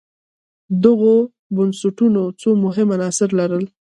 دغو بنسټونو څو مهم عناصر لرل